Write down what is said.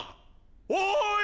おい！